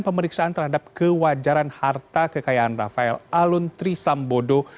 pemeriksaan terhadap kewajaran harta kekayaan rafael aluntri sambodo